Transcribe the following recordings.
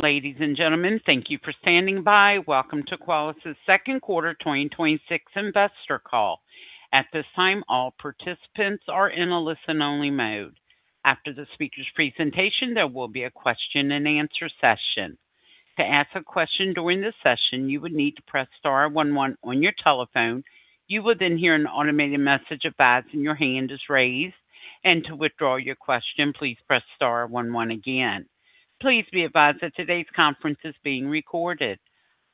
Ladies and gentlemen, thank you for standing by. Welcome to Qualys' second quarter 2026 investor call. At this time, all participants are in a listen-only mode. After the speaker's presentation, there will be a question and answer session. To ask a question during the session, you would need to press star one one on your telephone. You will then hear an automated message advising your hand is raised, and to withdraw your question, please press star one one again. Please be advised that today's conference is being recorded.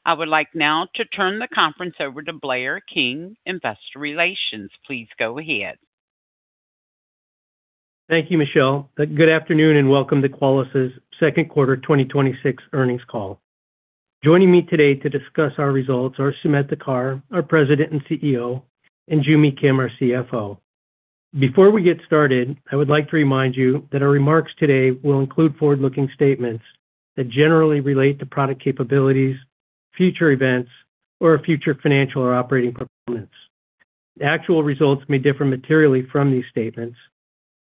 I would like now to turn the conference over to Blair King, investor relations. Please go ahead. Thank you, Michelle. Good afternoon. Welcome to Qualys' second quarter 2026 earnings call. Joining me today to discuss our results are Sumedh Thakar, our President and CEO, and Joo Mi Kim, our CFO. Before we get started, I would like to remind you that our remarks today will include forward-looking statements that generally relate to product capabilities, future events, or future financial or operating performance. Actual results may differ materially from these statements.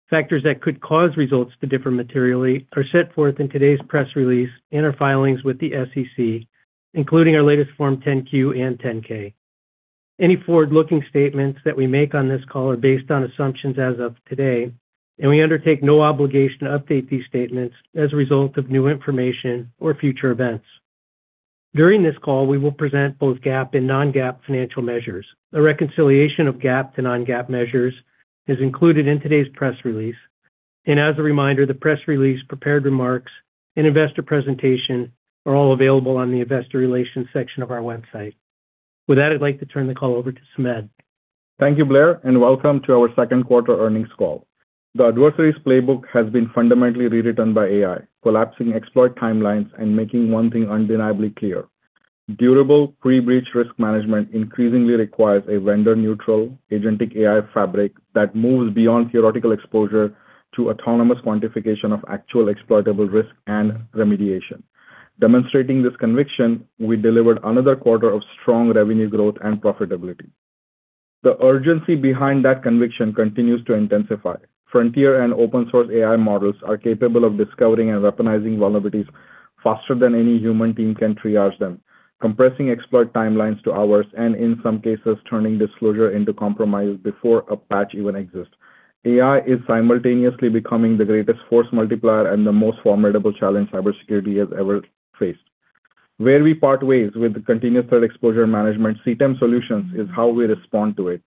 Factors that could cause results to differ materially are set forth in today's press release in our filings with the SEC, including our latest Form 10-Q and 10-K. Any forward-looking statements that we make on this call are based on assumptions as of today. We undertake no obligation to update these statements as a result of new information or future events. During this call, we will present both GAAP and non-GAAP financial measures. A reconciliation of GAAP to non-GAAP measures is included in today's press release. As a reminder, the press release, prepared remarks, and investor presentation are all available on the investor relations section of our website. With that, I'd like to turn the call over to Sumedh. Thank you, Blair. Welcome to our second quarter earnings call. The adversary's playbook has been fundamentally rewritten by AI, collapsing exploit timelines and making one thing undeniably clear. Durable pre-breach risk management increasingly requires a vendor-neutral agentic AI fabric that moves beyond theoretical exposure to autonomous quantification of actual exploitable risk and remediation. Demonstrating this conviction, we delivered another quarter of strong revenue growth and profitability. The urgency behind that conviction continues to intensify. Frontier and open source AI models are capable of discovering and weaponizing vulnerabilities faster than any human team can triage them, compressing exploit timelines to hours, and in some cases, turning disclosure into compromise before a patch even exists. AI is simultaneously becoming the greatest force multiplier and the most formidable challenge cybersecurity has ever faced. Where we part ways with the continuous threat exposure management, CTEM Solutions, is how we respond to it.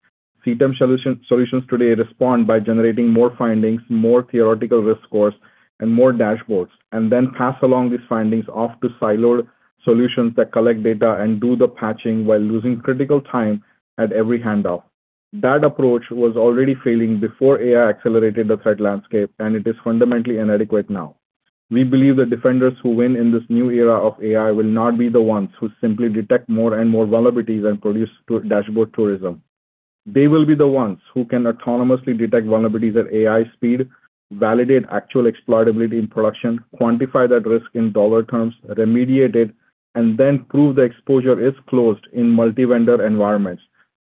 CTEM Solutions today respond by generating more findings, more theoretical risk scores, and more dashboards, and then pass along these findings off to siloed solutions that collect data and do the patching while losing critical time at every handoff. That approach was already failing before AI accelerated the threat landscape, and it is fundamentally inadequate now. We believe the defenders who win in this new era of AI will not be the ones who simply detect more and more vulnerabilities and produce dashboard tourism. They will be the ones who can autonomously detect vulnerabilities at AI speed, validate actual exploitability in production, quantify that risk in dollar terms, remediate it, and then prove the exposure is closed in multi-vendor environments,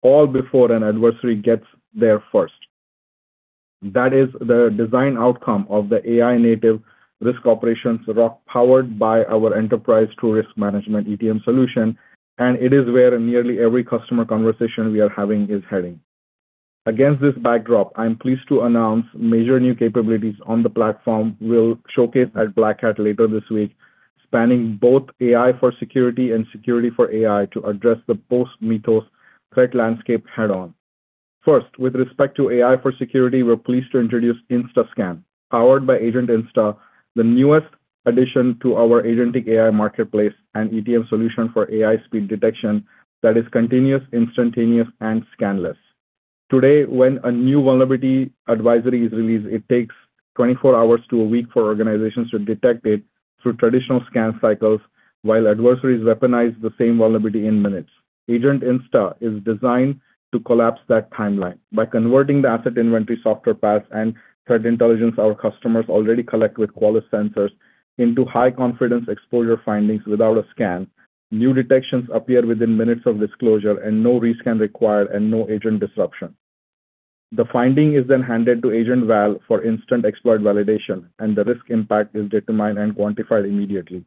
all before an adversary gets there first. That is the design outcome of the AI native risk operations, ROC, powered by our Enterprise TruRisk Management, ETM solution. It is where nearly every customer conversation we are having is heading. Against this backdrop, I am pleased to announce major new capabilities on the platform we'll showcase at Black Hat later this week, spanning both AI for security and security for AI to address the post-Mythos threat landscape head-on. First, with respect to AI for security, we're pleased to introduce InstaScan, powered by Agent Insta, the newest addition to our Agentic AI marketplace and ETM solution for AI speed detection that is continuous, instantaneous, and scanless. Today, when a new vulnerability advisory is released, it takes 24 hours to a week for organizations to detect it through traditional scan cycles while adversaries weaponize the same vulnerability in minutes. Agent Insta is designed to collapse that timeline. By converting the asset inventory software paths and threat intelligence our customers already collect with Qualys sensors into high-confidence exposure findings without a scan, new detections appear within minutes of disclosure and no rescan required and no agent disruption. The finding is then handed to Agent Val for instant exploit validation, and the risk impact is determined and quantified immediately.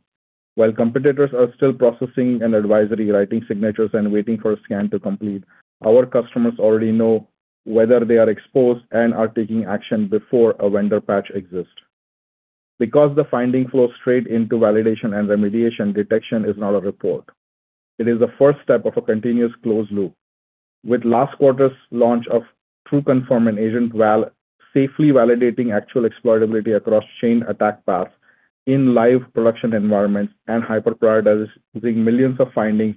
While competitors are still processing an advisory, writing signatures, and waiting for a scan to complete, our customers already know whether they are exposed and are taking action before a vendor patch exists. Because the finding flows straight into validation and remediation, detection is not a report. It is the first step of a continuous closed loop. With last quarter's launch of TruConfirm and Agent Val safely validating actual exploitability across chain attack paths in live production environments and hyper prioritizing millions of findings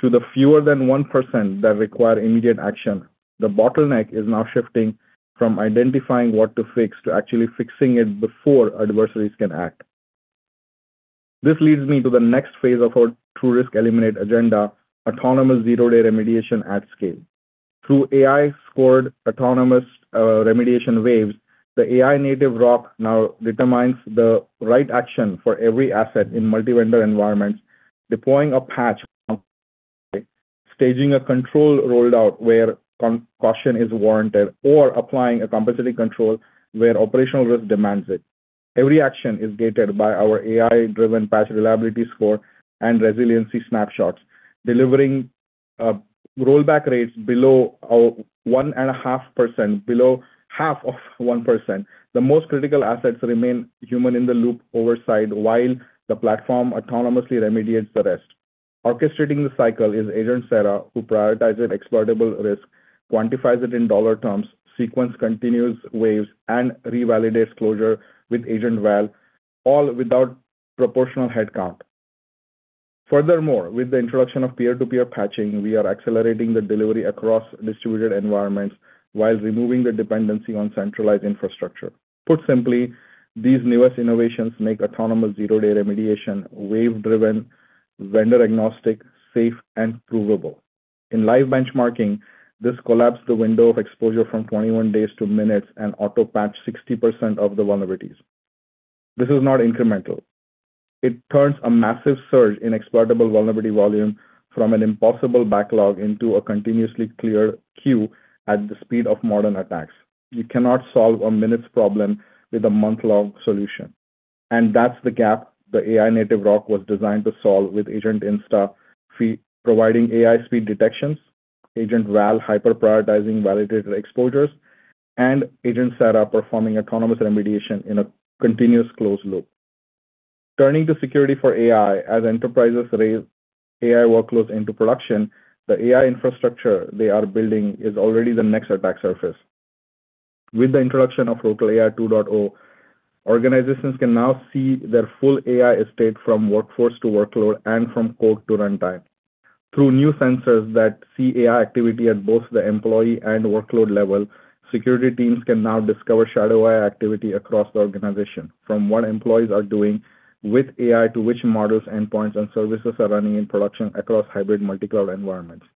to the fewer than 1% that require immediate action, the bottleneck is now shifting from identifying what to fix to actually fixing it before adversaries can act. This leads me to the next phase of our TruRisk Eliminate agenda, autonomous zero-day remediation at scale. Through AI-scored autonomous remediation waves, the AI native ROC now determines the right action for every asset in multi-vendor environments, deploying a patch, staging a control rolled out where caution is warranted or applying a compensatory control where operational risk demands it. Every action is gated by our AI-driven patch reliability score and resiliency snapshots, delivering rollback rates below 1.5%, below half of 1%. The most critical assets remain human in the loop oversight while the platform autonomously remediates the rest. Orchestrating the cycle is Agent Sarah, who prioritizes exploitable risk, quantifies it in dollar terms, sequence continues waves, and revalidates closure with Agent Val, all without proportional headcount. Furthermore, with the introduction of peer-to-peer patching, we are accelerating the delivery across distributed environments while removing the dependency on centralized infrastructure. Put simply, these newest innovations make autonomous zero-day remediation wave-driven, vendor-agnostic, safe, and provable. In live benchmarking, this collapsed the window of exposure from 21 days to minutes and auto-patched 60% of the vulnerabilities. This is not incremental. It turns a massive surge in exploitable vulnerability volume from an impossible backlog into a continuously clear queue at the speed of modern attacks. You cannot solve a minutes problem with a month-long solution. That's the gap the AI-native ROC was designed to solve with Agent Insta providing AI speed detections, Agent Val hyper-prioritizing validated exposures, and Agent Sarah performing autonomous remediation in a continuous closed loop. Turning to security for AI, as enterprises raise AI workloads into production, the AI infrastructure they are building is already the next attack surface. With the introduction of TotalAI 2.0, organizations can now see their full AI estate from workforce to workload and from code to runtime. Through new sensors that see AI activity at both the employee and workload level, security teams can now discover shadow AI activity across the organization. From what employees are doing with AI to which models, endpoints, and services are running in production across hybrid multi-cloud environments.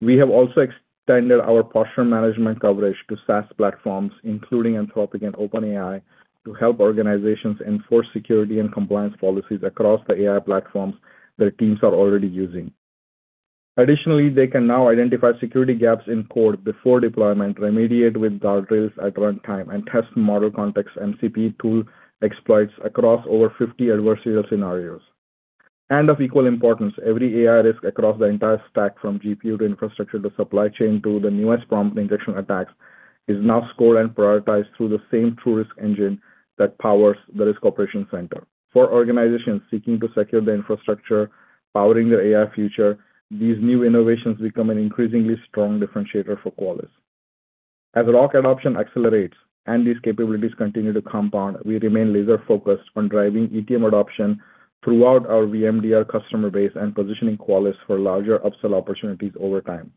We have also extended our posture management coverage to SaaS platforms, including Anthropic and OpenAI, to help organizations enforce security and compliance policies across the AI platforms their teams are already using. Additionally, they can now identify security gaps in code before deployment, remediate with guardrails at runtime, and test model context MCP tool exploits across over 50 adversarial scenarios. Of equal importance, every AI risk across the entire stack from GPU to infrastructure to supply chain to the newest prompting injection attacks, is now scored and prioritized through the same TruRisk engine that powers the Risk Operations Center. For organizations seeking to secure the infrastructure powering their AI future, these new innovations become an increasingly strong differentiator for Qualys. As the ROC adoption accelerates and these capabilities continue to compound, we remain laser-focused on driving ETM adoption throughout our VMDR customer base and positioning Qualys for larger upsell opportunities over time.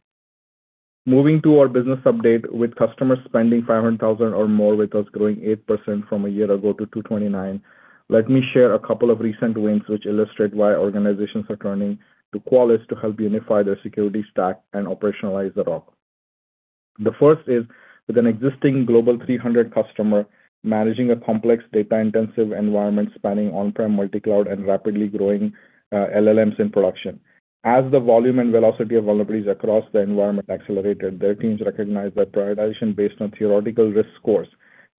Moving to our business update with customer spending $500,000 or more with us growing 8% from a year ago to 229. Let me share a couple of recent wins which illustrate why organizations are turning to Qualys to help unify their security stack and operationalize the ROC. The first is with an existing Global 300 customer managing a complex data-intensive environment spanning on-prem multi-cloud and rapidly growing LLMs in production. As the volume and velocity of vulnerabilities across the environment accelerated, their teams recognized that prioritization based on theoretical risk scores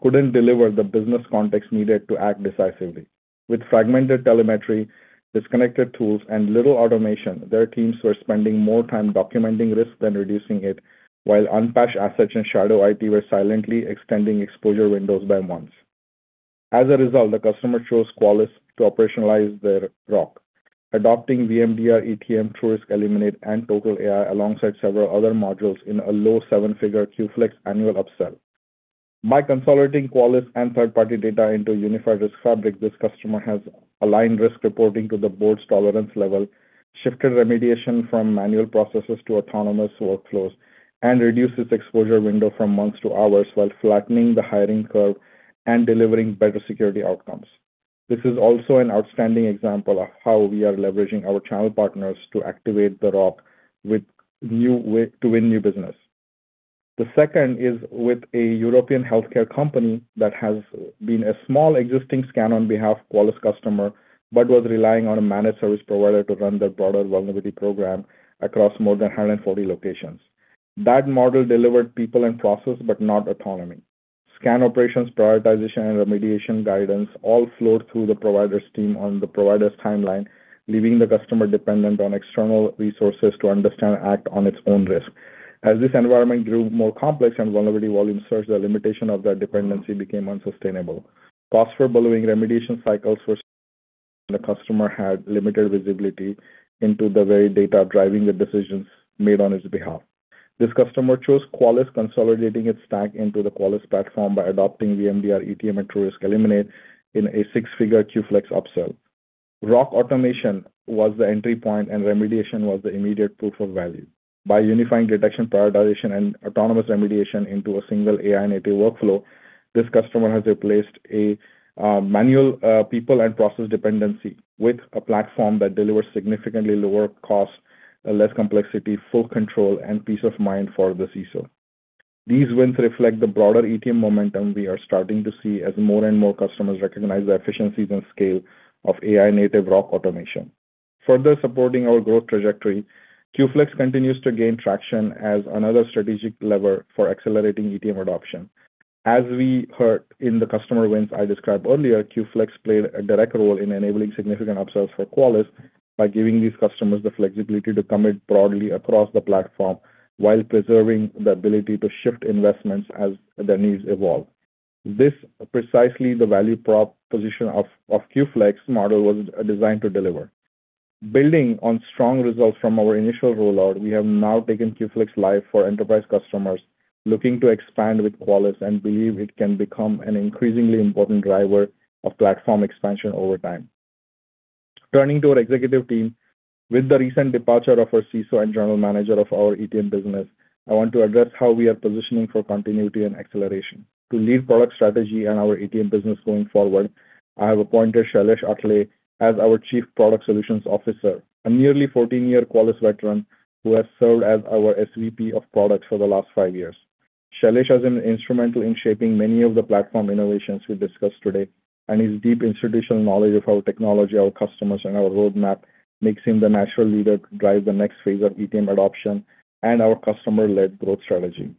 couldn't deliver the business context needed to act decisively. With fragmented telemetry, disconnected tools, and little automation, their teams were spending more time documenting risk than reducing it, while unpatched assets and shadow IT were silently extending exposure windows by months. As a result, the customer chose Qualys to operationalize their ROC, adopting VMDR, ETM, TruRisk Eliminate, and TotalAI alongside several other modules in a low seven-figure QFlex annual upsell. By consolidating Qualys and third-party data into a unified risk fabric, this customer has aligned risk reporting to the board's tolerance level, shifted remediation from manual processes to autonomous workflows, and reduced its exposure window from months to hours while flattening the hiring curve and delivering better security outcomes. This is also an outstanding example of how we are leveraging our channel partners to activate the ROC to win new business. The second is with a European healthcare company that has been a small existing scan-on-behalf Qualys customer but was relying on a managed service provider to run their broader vulnerability program across more than 140 locations. That model delivered people and process, but not autonomy. Scan operations, prioritization, and remediation guidance all flowed through the provider's team on the provider's timeline, leaving the customer dependent on external resources to understand and act on its own risk. As this environment grew more complex and vulnerability volumes surged, the limitation of that dependency became unsustainable. Costs for ballooning remediation cycles for the customer had limited visibility into the very data driving the decisions made on its behalf. This customer chose Qualys, consolidating its stack into the Qualys platform by adopting VMDR, ETM, and TruRisk Eliminate in a six-figure QFlex upsell. ROC automation was the entry point, and remediation was the immediate proof of value. By unifying detection, prioritization, and autonomous remediation into a single AI-native workflow, this customer has replaced a manual people and process dependency with a platform that delivers significantly lower cost, less complexity, full control, and peace of mind for the CISO. These wins reflect the broader ETM momentum we are starting to see as more and more customers recognize the efficiencies and scale of AI-native ROC automation. Further supporting our growth trajectory, QFlex continues to gain traction as another strategic lever for accelerating ETM adoption. As we heard in the customer wins I described earlier, QFlex played a direct role in enabling significant upsells for Qualys by giving these customers the flexibility to commit broadly across the platform while preserving the ability to shift investments as their needs evolve. This is precisely the value proposition of QFlex model was designed to deliver. Building on strong results from our initial rollout, we have now taken QFlex live for enterprise customers looking to expand with Qualys and believe it can become an increasingly important driver of platform expansion over time. Turning to our executive team, with the recent departure of our CISO and general manager of our ETM business, I want to address how we are positioning for continuity and acceleration. To lead product strategy and our ETM business going forward, I have appointed Shailesh Athalye as our Chief Product Solutions Officer. A nearly 14-year Qualys veteran who has served as our SVP of product for the last five years. Shailesh has been instrumental in shaping many of the platform innovations we discussed today, and his deep institutional knowledge of our technology, our customers, and our roadmap makes him the natural leader to drive the next phase of ETM adoption and our customer-led growth strategy.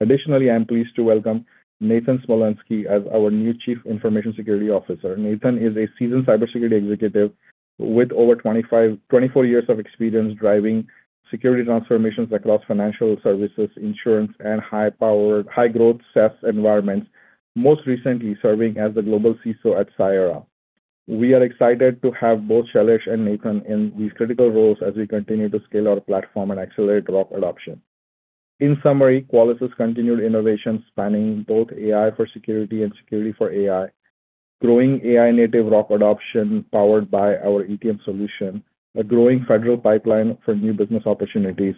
Additionally, I'm pleased to welcome Nathan Smolenski as our new Chief Information Security Officer. Nathan is a seasoned cybersecurity executive with over 24 years of experience driving security transformations across financial services, insurance, and high-powered, high-growth SaaS environments, most recently serving as the Global CISO at Cyera. We are excited to have both Shailesh and Nathan in these critical roles as we continue to scale our platform and accelerate ROC adoption. In summary, Qualys' continued innovation spanning both AI for security and security for AI, growing AI native ROC adoption powered by our ETM solution, a growing federal pipeline for new business opportunities,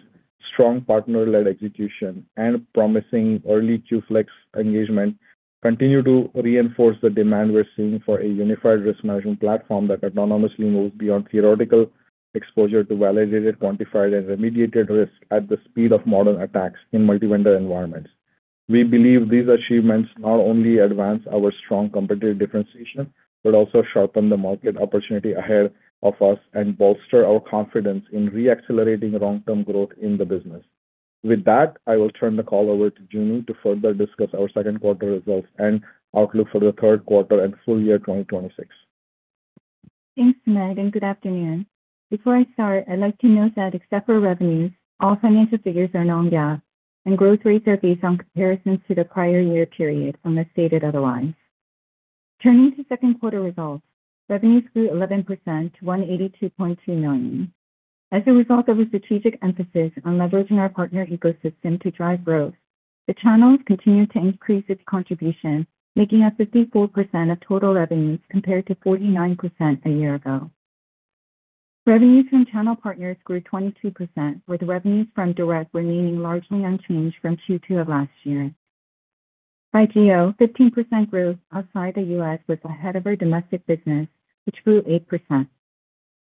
strong partner-led execution, and promising early QFlex engagement continue to reinforce the demand we're seeing for a unified risk management platform that autonomously moves beyond theoretical exposure to validated, quantified, and remediated risk at the speed of modern attacks in multi-vendor environments. We believe these achievements not only advance our strong competitive differentiation, but also sharpen the market opportunity ahead of us and bolster our confidence in re-accelerating long-term growth in the business. With that, I will turn the call over to Joo to further discuss our second quarter results and outlook for the third quarter and full year 2026. Thanks, Sumed, and good afternoon. Before I start, I'd like to note that except for revenues, all financial figures are non-GAAP and growth rates are based on comparisons to the prior year period unless stated otherwise. Turning to second quarter results, revenues grew 11% to $182.2 million. As a result of a strategic emphasis on leveraging our partner ecosystem to drive growth, the channels continued to increase its contribution, making up 54% of total revenues compared to 49% a year ago. Revenues from channel partners grew 22%, with revenues from direct remaining largely unchanged from Q2 of last year. By geo, 15% growth outside the U.S. was ahead of our domestic business, which grew 8%.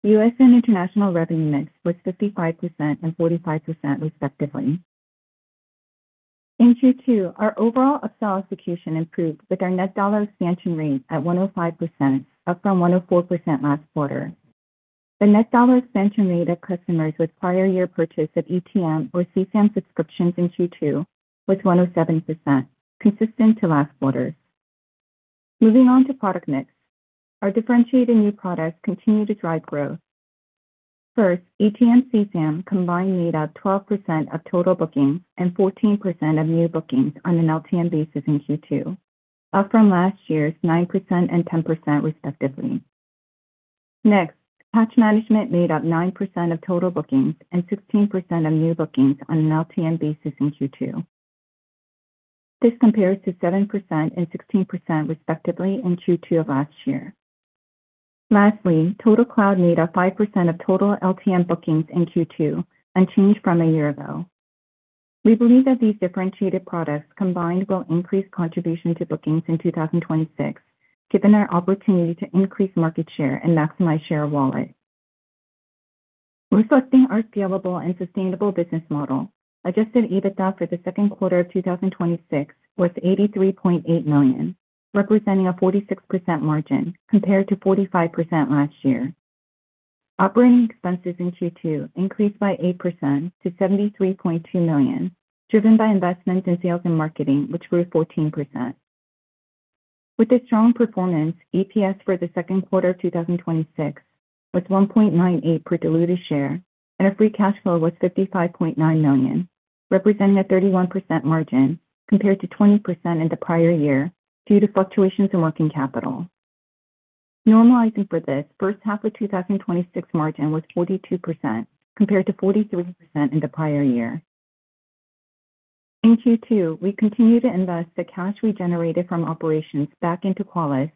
The U.S. and international revenue mix was 55% and 45% respectively. In Q2, our overall upsell execution improved with our net dollar expansion rate at 105% up from 104% last quarter. The net dollar expansion rate of customers with prior year purchase of ETM or CSAM subscriptions in Q2 was 107%, consistent to last quarter. Moving on to product mix. Our differentiating new products continue to drive growth. First, ETM/CSAM combined made up 12% of total bookings and 14% of new bookings on an LTM basis in Q2, up from last year's 9% and 10% respectively. Next, patch management made up 9% of total bookings and 16% of new bookings on an LTM basis in Q2. This compares to 7% and 16% respectively in Q2 of last year. Lastly, TotalCloud made up 5% of total LTM bookings in Q2, unchanged from a year ago. We believe that these differentiated products combined will increase contribution to bookings in 2026, given their opportunity to increase market share and maximize share of wallet. Reflecting our scalable and sustainable business model, adjusted EBITDA for the second quarter of 2026 was $83.8 million, representing a 46% margin compared to 45% last year. Operating expenses in Q2 increased by 8% to $73.2 million, driven by investment in sales and marketing, which grew 14%. With a strong performance, EPS for the second quarter of 2026 was $1.98 per diluted share, and our free cash flow was $55.9 million, representing a 31% margin compared to 20% in the prior year due to fluctuations in working capital. Normalizing for this, first half of 2026 margin was 42% compared to 43% in the prior year. In Q2, we continued to invest the cash we generated from operations back into Qualys,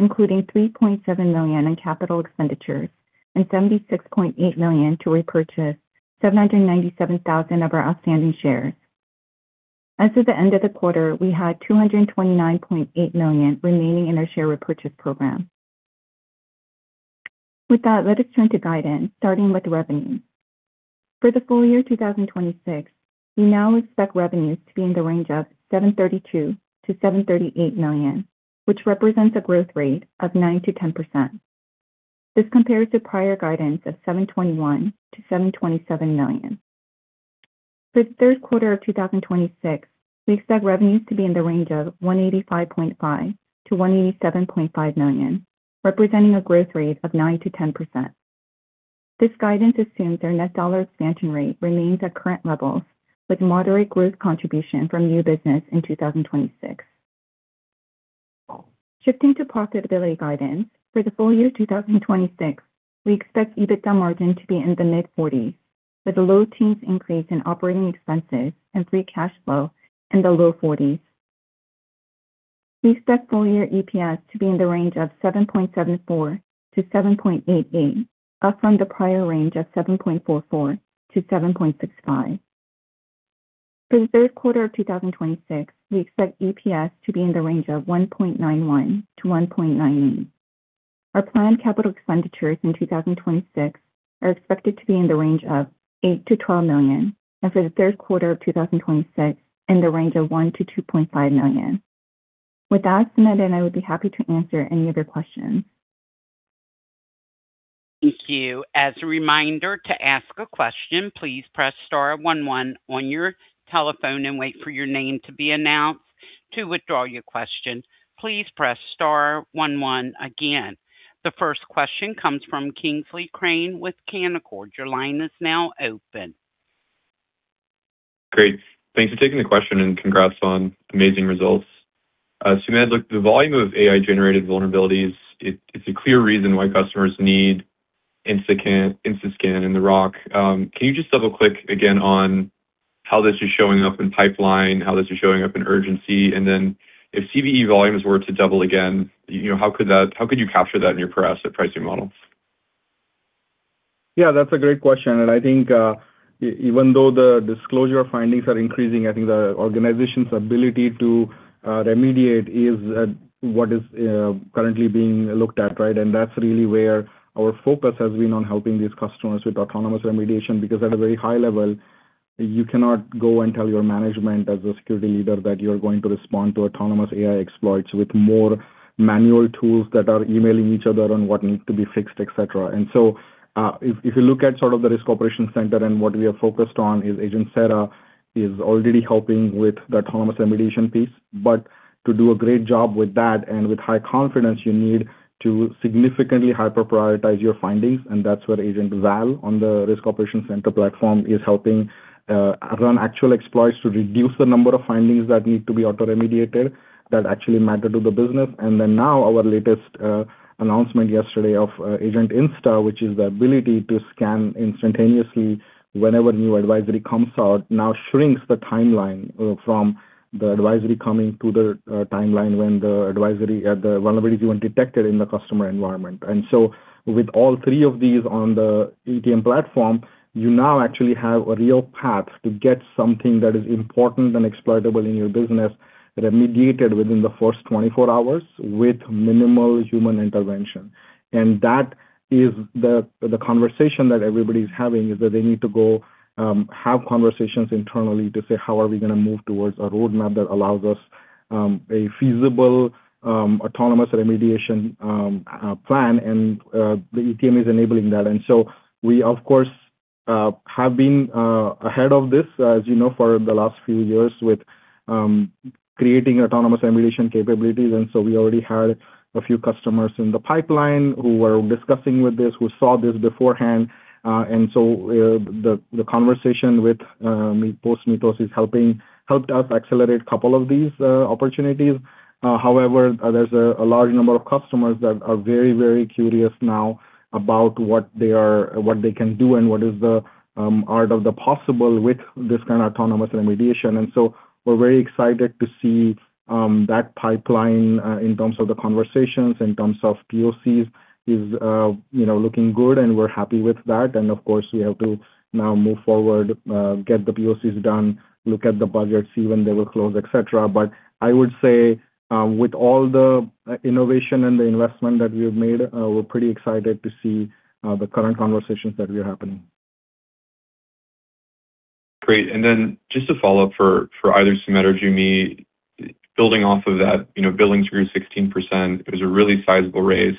including $3.7 million in capital expenditures and $76.8 million to repurchase 797,000 of our outstanding shares. As of the end of the quarter, we had $229.8 million remaining in our share repurchase program. With that, let us turn to guidance, starting with revenue. For the full year 2026, we now expect revenues to be in the range of $732 million-$738 million, which represents a growth rate of 9%-10%. This compares to prior guidance of $721 million-$727 million. For the third quarter of 2026, we expect revenues to be in the range of $185.5 million-$187.5 million, representing a growth rate of 9%-10%. This guidance assumes our net dollar expansion rate remains at current levels, with moderate growth contribution from new business in 2026. Shifting to profitability guidance for the full year 2026, we expect EBITDA margin to be in the mid-40s, with a low teens increase in operating expenses and free cash flow in the low 40s. We expect full-year EPS to be in the range of $7.74-$7.88, up from the prior range of $7.44-$7.65. For the third quarter of 2026, we expect EPS to be in the range of $1.91-$1.98. Our planned capital expenditures in 2026 are expected to be in the range of $8 million-$12 million, and for the third quarter of 2026 in the range of $1 million-$2.5 million. With that, Sumedh and I would be happy to answer any of your questions. Thank you. As a reminder, to ask a question, please press star one one on your telephone and wait for your name to be announced. To withdraw your question, please press star one one again. The first question comes from Kingsley Crane with Canaccord. Your line is now open. Great. Thanks for taking the question. Congrats on amazing results. Sumedh, look, the volume of AI-generated vulnerabilities, it's a clear reason why customers need InstaScan and the ROC. Can you just double-click again on how this is showing up in pipeline, how this is showing up in urgency, if CVE volumes were to double again, how could you capture that in your per-asset pricing model? That's a great question. I think even though the disclosure findings are increasing, I think the organization's ability to remediate is what is currently being looked at, right? That's really where our focus has been on helping these customers with autonomous remediation, because at a very high level, you cannot go and tell your management as a security leader that you are going to respond to autonomous AI exploits with more manual tools that are emailing each other on what needs to be fixed, et cetera. If you look at sort of the Risk Operations Center and what we are focused on is Agent Sarah is already helping with the autonomous remediation piece. To do a great job with that and with high confidence, you need to significantly hyper prioritize your findings. That's where Agent Val on the Risk Operations Center platform is helping run actual exploits to reduce the number of findings that need to be auto remediated that actually matter to the business. Now our latest announcement yesterday of Agent Insta, which is the ability to scan instantaneously whenever new advisory comes out, now shrinks the timeline from the advisory coming to the timeline when the vulnerabilities were detected in the customer environment. With all three of these on the ETM platform, you now actually have a real path to get something that is important and exploitable in your business remediated within the first 24 hours with minimal human intervention. That is the conversation that everybody's having, is that they need to go have conversations internally to say, "How are we going to move towards a roadmap that allows us a feasible autonomous remediation plan?" The ETM is enabling that. We of course have been ahead of this, as you know, for the last few years with creating autonomous remediation capabilities. We already had a few customers in the pipeline who were discussing with this, who saw this beforehand. The conversation with post-Mythos has helped us accelerate a couple of these opportunities. However, there's a large number of customers that are very curious now about what they can do and what is the art of the possible with this kind of autonomous remediation. We're very excited to see that pipeline in terms of the conversations, in terms of POCs is looking good and we're happy with that. Of course we have to now move forward, get the POCs done, look at the budget, see when they will close, et cetera. I would say with all the innovation and the investment that we have made, we're pretty excited to see the current conversations that we are happening. Great. Then just to follow up for either Sumedh or Joo Mi, building off of that, billings grew 16%, it was a really sizable raise.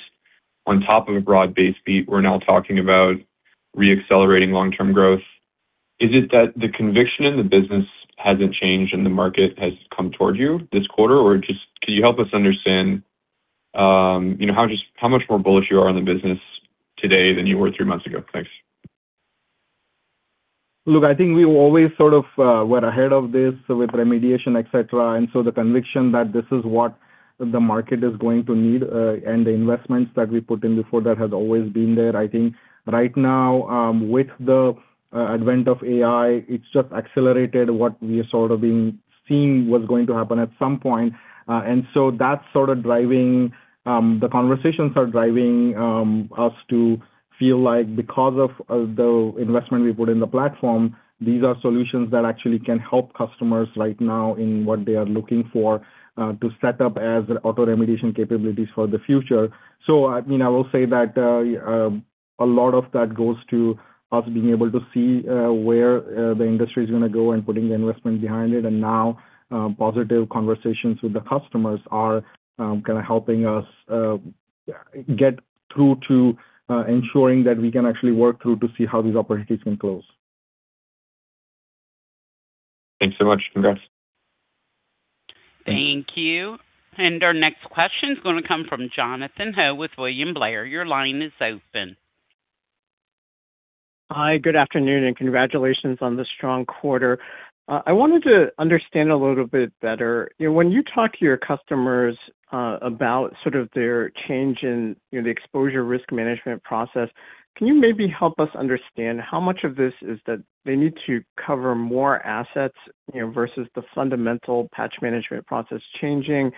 On top of a broad-based beat, we're now talking about re-accelerating long-term growth. Is it that the conviction in the business hasn't changed and the market has come toward you this quarter? Just could you help us understand how much more bullish you are on the business today than you were three months ago? Thanks. Look, I think we always sort of were ahead of this with remediation, et cetera, the conviction that this is what the market is going to need and the investments that we put in before that has always been there. I think right now with the advent of AI, it's just accelerated what we have sort of been seeing was going to happen at some point. The conversations are driving us to feel like because of the investment we put in the platform, these are solutions that actually can help customers right now in what they are looking for to set up as auto remediation capabilities for the future. I will say that a lot of that goes to us being able to see where the industry is going to go and putting the investment behind it. Now positive conversations with the customers are helping us get through to ensuring that we can actually work through to see how these opportunities can close. Thanks so much. Congrats. Thank you. Our next question is going to come from Jonathan Ho with William Blair. Your line is open. Hi, good afternoon, and congratulations on the strong quarter. I wanted to understand a little bit better. When you talk to your customers about their change in the exposure risk management process, can you maybe help us understand how much of this is that they need to cover more assets versus the fundamental patch management process changing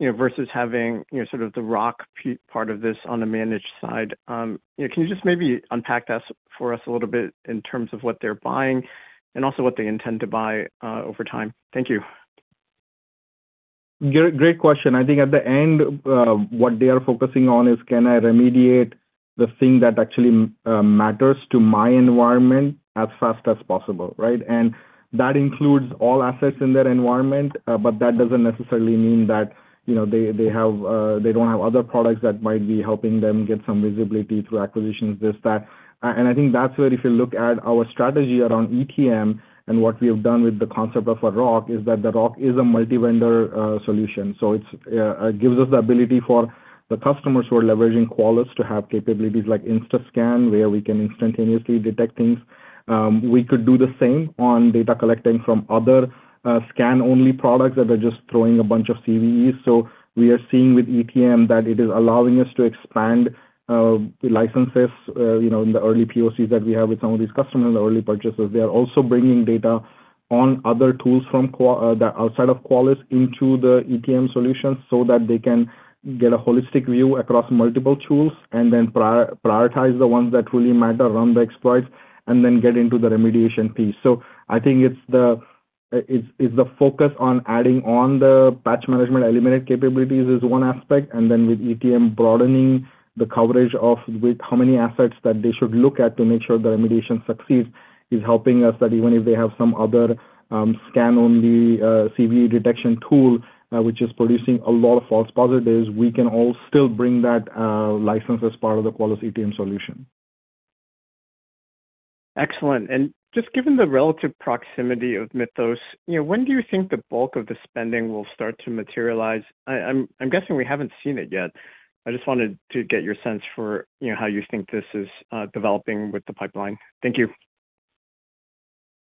versus having the ROC part of this on the managed side? Can you just maybe unpack that for us a little bit in terms of what they're buying and also what they intend to buy over time? Thank you. Great question. I think at the end, what they are focusing on is, can I remediate the thing that actually matters to my environment as fast as possible, right? That includes all assets in their environment, but that doesn't necessarily mean that they don't have other products that might be helping them get some visibility through acquisitions, this, that. I think that's where if you look at our strategy around ETM and what we have done with the concept of a ROC is that the ROC is a multi-vendor solution. It gives us the ability for the customers who are leveraging Qualys to have capabilities like InstaScan, where we can instantaneously detect things. We could do the same on data collecting from other scan-only products that are just throwing a bunch of CVEs. We are seeing with ETM that it is allowing us to expand the licenses in the early POCs that we have with some of these customers, the early purchasers. They are also bringing data on other tools from outside of Qualys into the ETM solution so that they can get a holistic view across multiple tools and then prioritize the ones that really matter, run the exploits, and then get into the remediation piece. I think it's the focus on adding on the patch management eliminate capabilities is one aspect, and then with ETM broadening the coverage of with how many assets that they should look at to make sure the remediation succeeds is helping us that even if they have some other scan-only CVE detection tool which is producing a lot of false positives, we can all still bring that license as part of the Qualys ETM solution. Excellent. Just given the relative proximity of Mythos, when do you think the bulk of the spending will start to materialize? I'm guessing we haven't seen it yet. I just wanted to get your sense for how you think this is developing with the pipeline. Thank you.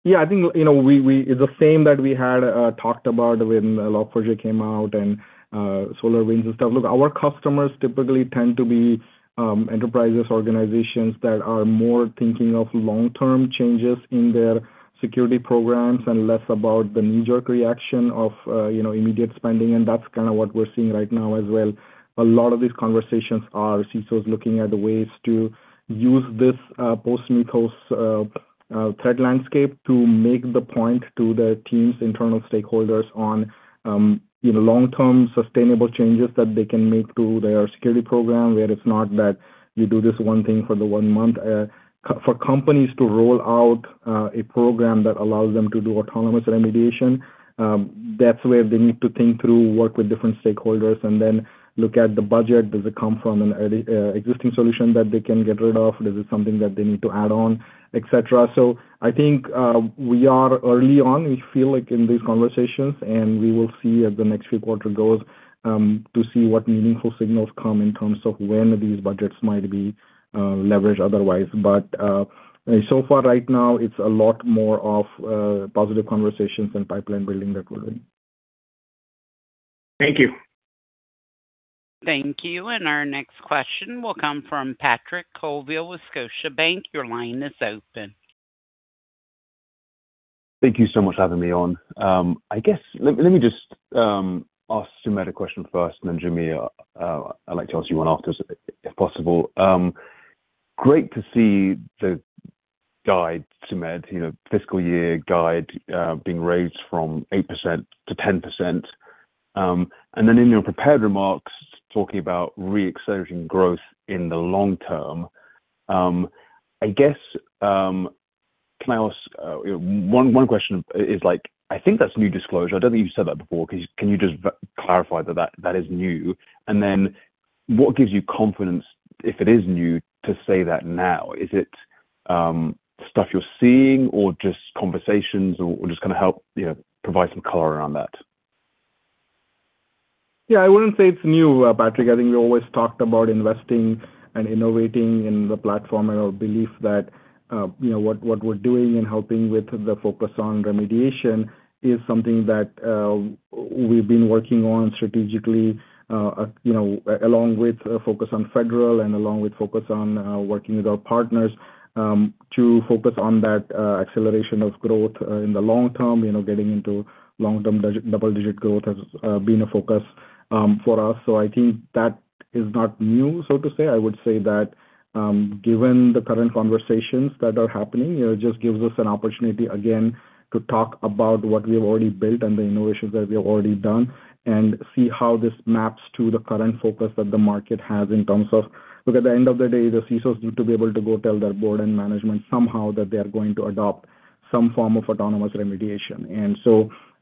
Yeah, I think it's the same that we had talked about when Log4j came out and SolarWinds and stuff. Look, our customers typically tend to be enterprises, organizations that are more thinking of long-term changes in their security programs and less about the knee-jerk reaction of immediate spending. That's kind of what we're seeing right now as well. A lot of these conversations are CISOs looking at ways to use this post-Mythos threat landscape to make the point to the teams, internal stakeholders on long-term sustainable changes that they can make to their security program, where it's not that you do this one thing for the one month. For companies to roll out a program that allows them to do autonomous remediation, that's where they need to think through, work with different stakeholders and then look at the budget. Does it come from an existing solution that they can get rid of? Is it something that they need to add on, et cetera? I think we are early on, we feel like in these conversations, and we will see as the next few quarter goes to see what meaningful signals come in terms of when these budgets might be leveraged otherwise. So far right now, it's a lot more of positive conversations and pipeline building that we're doing. Thank you. Thank you. Our next question will come from Patrick Colville with Scotiabank. Your line is open. Thank you so much for having me on. Let me just ask Sumedh a question first, then Joo Kim, I'd like to ask you one after if possible. Great to see the guide, Sumedh, fiscal year guide being raised from 8% to 10%. In your prepared remarks, talking about re-accelerating growth in the long term. Can I ask 1 question is, I think that's new disclosure. I don't think you've said that before. Can you just clarify that that is new? What gives you confidence, if it is new, to say that now? Is it stuff you're seeing or just conversations or just help provide some color around that? I wouldn't say it's new, Patrick. I think we always talked about investing and innovating in the platform and our belief that what we're doing and helping with the focus on remediation is something that we've been working on strategically along with focus on Federal and along with focus on working with our partners to focus on that acceleration of growth in the long term. Getting into long-term double-digit growth has been a focus for us. I think that is not new, so to say. I would say that given the current conversations that are happening, it just gives us an opportunity again to talk about what we have already built and the innovations that we have already done and see how this maps to the current focus that the market has in terms of, at the end of the day, the CISOs need to be able to go tell their board and management somehow that they are going to adopt some form of autonomous remediation.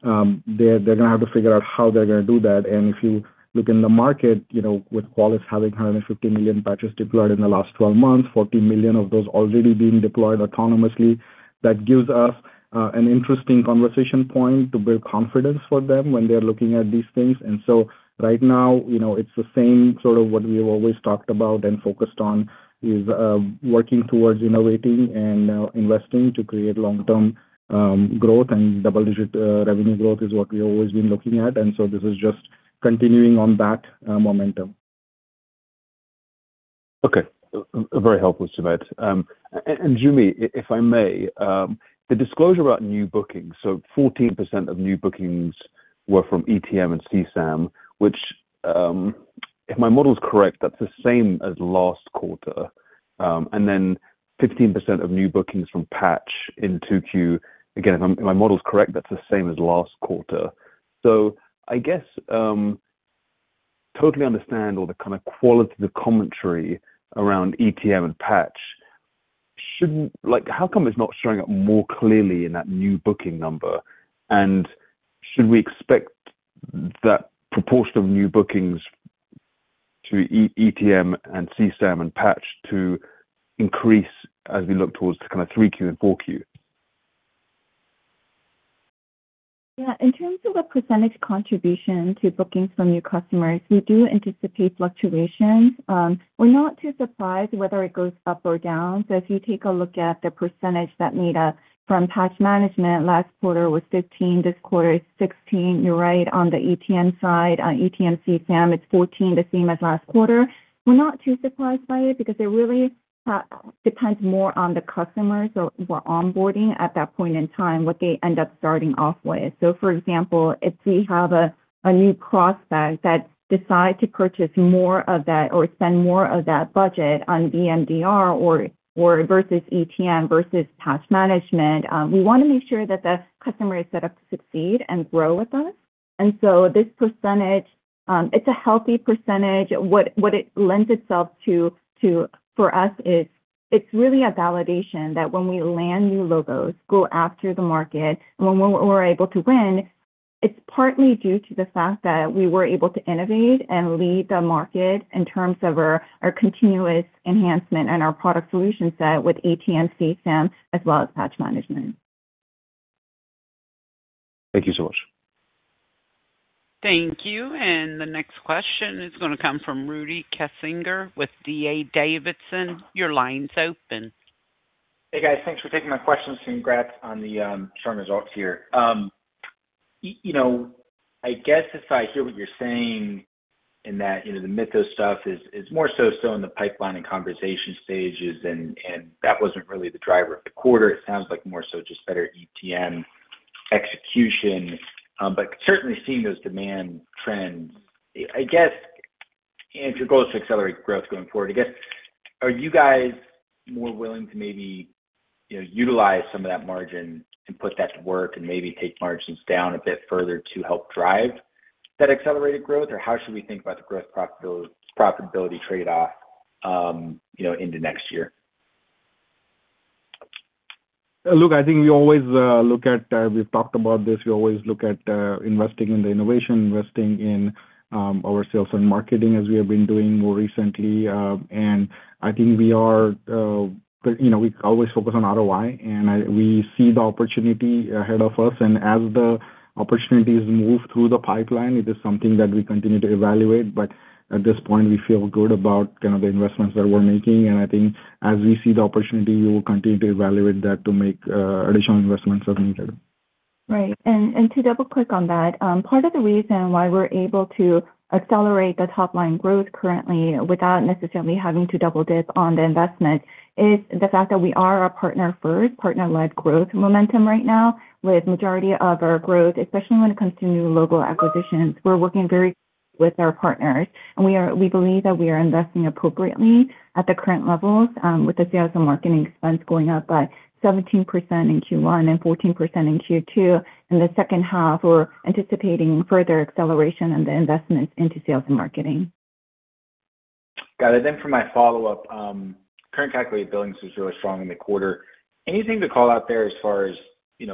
They're going to have to figure out how they're going to do that. If you look in the market, with Qualys having 150 million patches deployed in the last 12 months, 40 million of those already being deployed autonomously, that gives us an interesting conversation point to build confidence for them when they're looking at these things. Right now, it's the same sort of what we've always talked about and focused on is working towards innovating and investing to create long-term growth and double-digit revenue growth is what we've always been looking at. This is just continuing on that momentum. Okay. Very helpful, Sumedh. Joo Mi, if I may, the disclosure about new bookings, 14% of new bookings were from ETM and CSAM, which, if my model's correct, that's the same as last quarter. Then 15% of new bookings from Patch in 2Q, again, if my model's correct, that's the same as last quarter. I guess, totally understand all the kind of qualitative commentary around ETM and Patch. How come it's not showing up more clearly in that new booking number? Should we expect that proportion of new bookings to ETM and CSAM and Patch to increase as we look towards to kind of 3Q and 4Q? In terms of the percentage contribution to bookings from new customers, we do anticipate fluctuations. We're not too surprised whether it goes up or down. If you take a look at the percentage that made up from Patch Management last quarter was 15%, this quarter it's 16%. You're right on the ETM side. On ETM/CSAM, it's 14%, the same as last quarter. We're not too surprised by it because it really depends more on the customers who we're onboarding at that point in time, what they end up starting off with. For example, if we have a new prospect that decide to purchase more of that or spend more of that budget on VMDR versus ETM versus Patch Management, we want to make sure that the customer is set up to succeed and grow with us. This percentage, it's a healthy percentage. What it lends itself to for us is, it's really a validation that when we land new logos, go after the market, and when we're able to win, it's partly due to the fact that we were able to innovate and lead the market in terms of our continuous enhancement and our product solution set with ETM/CSAM, as well as Patch Management. Thank you so much. Thank you. The next question is going to come from Rudy Kessinger with D.A. Davidson. Your line's open. Hey, guys. Thanks for taking my questions and congrats on the strong results here. I guess if I hear what you're saying in that the Mythos stuff is more so still in the pipeline and conversation stages and that wasn't really the driver of the quarter. It sounds like more so just better ETM execution. Certainly seeing those demand trends, I guess, if your goal is to accelerate growth going forward, I guess, are you guys more willing to maybe utilize some of that margin and put that to work and maybe take margins down a bit further to help drive that accelerated growth? How should we think about the growth profitability trade-off into next year? Look, I think we always look at investing in the innovation, investing in our sales and marketing as we have been doing more recently. I think we always focus on ROI, and we see the opportunity ahead of us. As the opportunities move through the pipeline, it is something that we continue to evaluate. At this point, we feel good about the investments that we're making. I think as we see the opportunity, we will continue to evaluate that to make additional investments where needed. Right. To double-click on that, part of the reason why we're able to accelerate the top-line growth currently without necessarily having to double-dip on the investment is the fact that we are a partner first, partner-led growth momentum right now with majority of our growth, especially when it comes to new logo acquisitions. We're working very with our partners, and we believe that we are investing appropriately at the current levels, with the sales and marketing expense going up by 17% in Q1 and 14% in Q2. In the second half, we're anticipating further acceleration on the investments into sales and marketing. Got it. For my follow-up, current calculated billings was really strong in the quarter. Anything to call out there as far as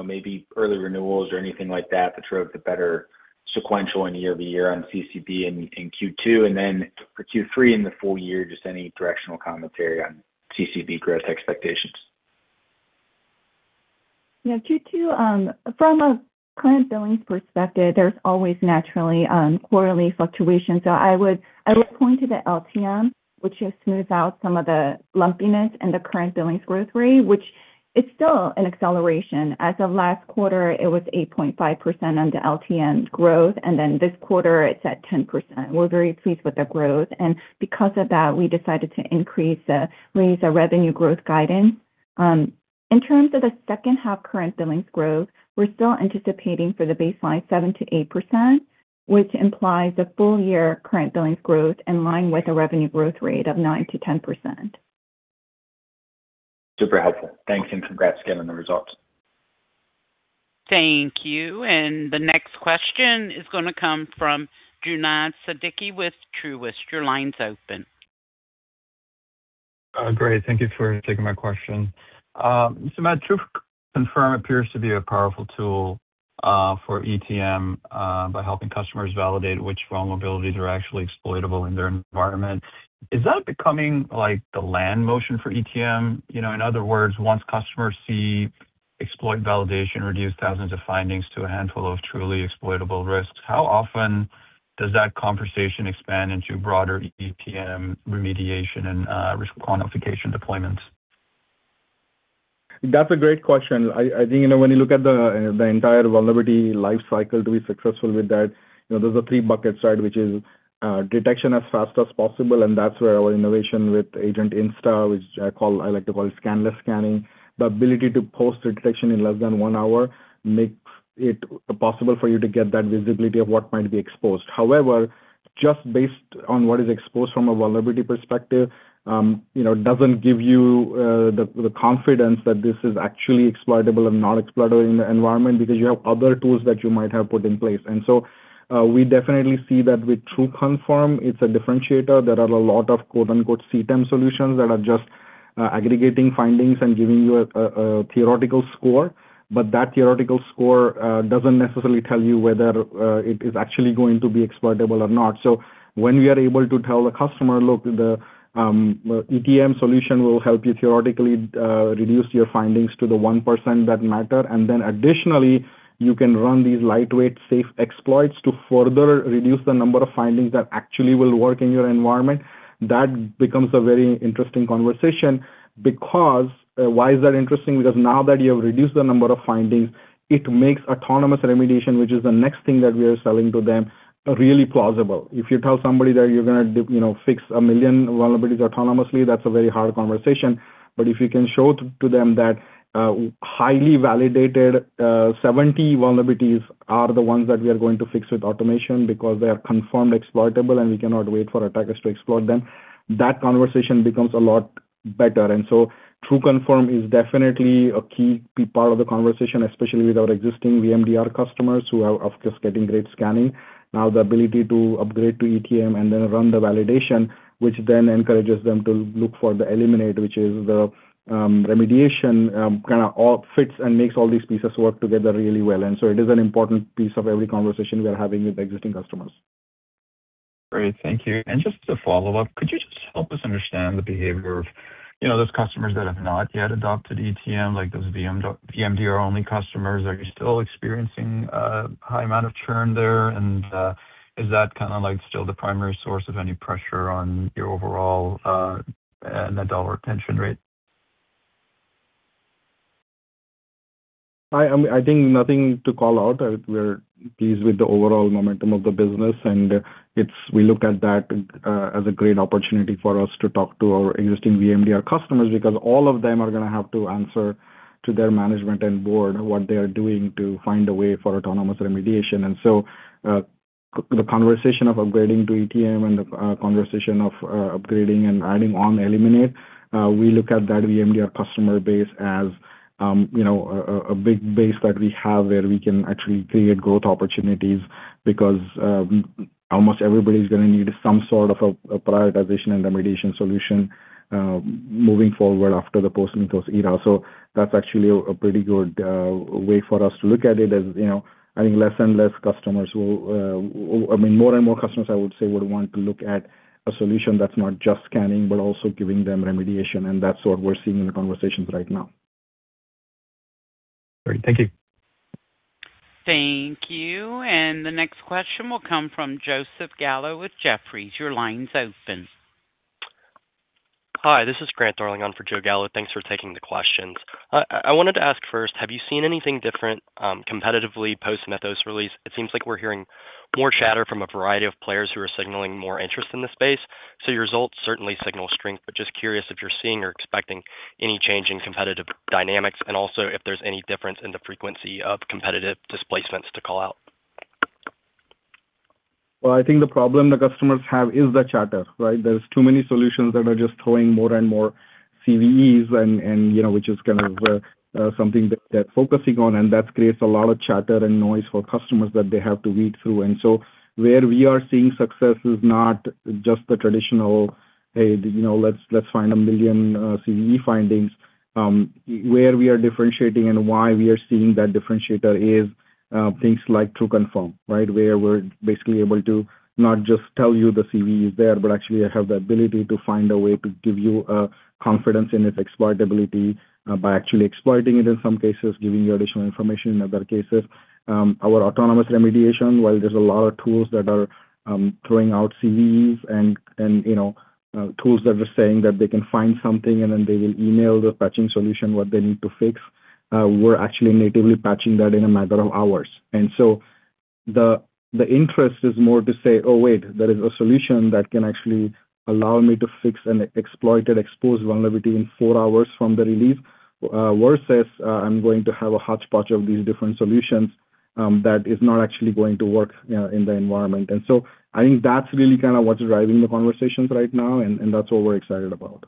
maybe early renewals or anything like that that drove the better sequential and year-over-year on CCB in Q2? For Q3 and the full year, just any directional commentary on CCB growth expectations. Q2, from a current billings perspective, there's always naturally quarterly fluctuations. I would point to the LTM, which just smooths out some of the lumpiness in the current billings growth rate, which it's still an acceleration. As of last quarter, it was 8.5% on the LTM growth, this quarter it's at 10%. We're very pleased with the growth. Because of that, we decided to raise our revenue growth guidance. In terms of the second half current billings growth, we're still anticipating for the baseline 7%-8%, which implies a full year current billings growth in line with a revenue growth rate of 9%-10%. Super helpful. Thanks, congrats again on the results. Thank you. The next question is going to come from Junaid Siddiqui with Truist. Your line's open Great. Thank you for taking my question. Matt, TruConfirm appears to be a powerful tool for ETM by helping customers validate which vulnerabilities are actually exploitable in their environment. Is that becoming the land motion for ETM? In other words, once customers see exploit validation reduce thousands of findings to a handful of truly exploitable risks, how often does that conversation expand into broader ETM remediation and risk quantification deployments? That's a great question. I think when you look at the entire vulnerability life cycle to be successful with that, there's a three bucket side, which is detection as fast as possible, and that's where our innovation with Agent Insta, which I like to call scanless scanning. The ability to post detection in less than one hour makes it possible for you to get that visibility of what might be exposed. However, just based on what is exposed from a vulnerability perspective, doesn't give you the confidence that this is actually exploitable and not exploitable in the environment because you have other tools that you might have put in place. We definitely see that with TruConfirm, it's a differentiator. There are a lot of CTEM solutions that are just aggregating findings and giving you a theoretical score. That theoretical score doesn't necessarily tell you whether it is actually going to be exploitable or not. When we are able to tell the customer, "Look, the ETM solution will help you theoretically reduce your findings to the 1% that matter. Additionally, you can run these lightweight safe exploits to further reduce the number of findings that actually will work in your environment." That becomes a very interesting conversation because why is that interesting? Because now that you have reduced the number of findings, it makes autonomous remediation, which is the next thing that we are selling to them, really plausible. If you tell somebody that you're going to fix 1 million vulnerabilities autonomously, that's a very hard conversation. If you can show to them that highly validated 70 vulnerabilities are the ones that we are going to fix with automation because they are confirmed exploitable and we cannot wait for attackers to exploit them, that conversation becomes a lot better. TruConfirm is definitely a key part of the conversation, especially with our existing VMDR customers who are of course getting great scanning. Now, the ability to upgrade to ETM and then run the validation, which then encourages them to look for the Eliminate, which is the remediation, kind of all fits and makes all these pieces work together really well. It is an important piece of every conversation we are having with existing customers. Great. Thank you. Just to follow up, could you just help us understand the behavior of those customers that have not yet adopted ETM, like those VMDR only customers. Are you still experiencing a high amount of churn there? Is that kind of like still the primary source of any pressure on your overall net dollar retention rate? I think nothing to call out. We're pleased with the overall momentum of the business, and we look at that as a great opportunity for us to talk to our existing VMDR customers because all of them are going to have to answer to their management and board what they are doing to find a way for autonomous remediation. The conversation of upgrading to ETM and the conversation of upgrading and adding on Eliminate, we look at that VMDR customer base as a big base that we have where we can actually create growth opportunities because almost everybody's going to need some sort of a prioritization and remediation solution moving forward after the post-Mythos era. That's actually a pretty good way for us to look at it, as I think less and less customers will I mean, more and more customers, I would say, would want to look at a solution that's not just scanning, but also giving them remediation. That's what we're seeing in the conversations right now. Great. Thank you. Thank you. The next question will come from Joseph Gallo with Jefferies. Your line's open. Hi, this is Grant Darling on for Joe Gallo. Thanks for taking the questions. I wanted to ask first, have you seen anything different competitively post-Mythos release? It seems like we're hearing more chatter from a variety of players who are signaling more interest in the space. Your results certainly signal strength, but just curious if you're seeing or expecting any change in competitive dynamics, and also if there's any difference in the frequency of competitive displacements to call out. Well, I think the problem the customers have is the chatter, right? There's too many solutions that are just throwing more and more CVEs and which is kind of something that they're focusing on, and that creates a lot of chatter and noise for customers that they have to weed through. Where we are seeing success is not just the traditional, "Hey, let's find 1 million CVE findings." Where we are differentiating and why we are seeing that differentiator is things like TruConfirm, right? Where we're basically able to not just tell you the CVE is there, but actually have the ability to find a way to give you confidence in its exploitability by actually exploiting it in some cases, giving you additional information in other cases. Our autonomous remediation, while there's a lot of tools that are throwing out CVEs and tools that are saying that they can find something, and then they will email the patching solution, what they need to fix. We're actually natively patching that in a matter of hours. The interest is more to say, "Oh, wait, there is a solution that can actually allow me to fix an exploited exposed vulnerability in four hours from the release?" Versus, "I'm going to have a hodgepodge of these different solutions that is not actually going to work in the environment." I think that's really kind of what's driving the conversations right now, and that's what we're excited about.